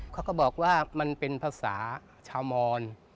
เขาก็บอกว่ามันเป็นภาษาชาวมอน